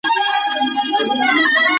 زما ملګرې د مخې ښې لپاره راځي.